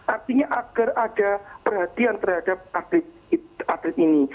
artinya agar ada perhatian terhadap atlet ini